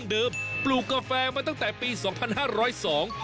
กาแฟโรบัสต้าจั้งเดิมปลูกกาแฟมาตั้งแต่ปีสองทันห้าร้อยสอง